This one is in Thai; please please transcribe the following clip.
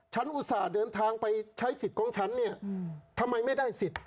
อุตส่าห์เดินทางไปใช้สิทธิ์ของฉันเนี่ยทำไมไม่ได้สิทธิ์